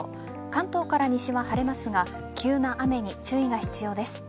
関東から西は晴れますが急な雨に注意が必要です。